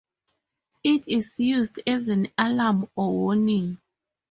It is used as an alarm or warning.